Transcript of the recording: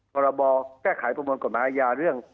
พรบแก้ไขประมวลกฎหมายอาญาเรื่อง